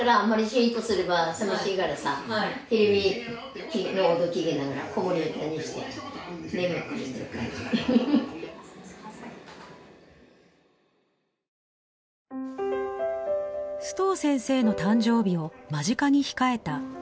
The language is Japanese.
須藤先生の誕生日を間近に控えた４月下旬。